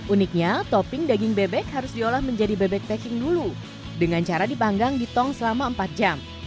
uniknya topping daging bebek harus diolah menjadi bebek packing dulu dengan cara dipanggang di tong selama empat jam